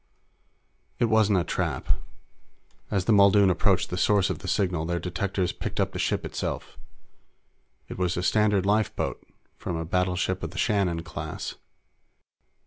It wasn't a trap. As the Muldoon approached the source of the signal, their detectors picked up the ship itself. It was a standard lifeboat from a battleship of the Shannon class.